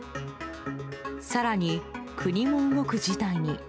更に、国も動く事態に。